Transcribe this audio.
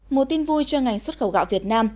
một tin vui cho ngành xuất khẩu gạo việt nam